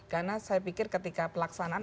karena saya pikir ketika pelaksanaan